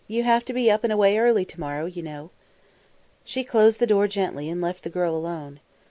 You have to be up and away early to morrow, you know!" She closed the door gently and left the girl alone.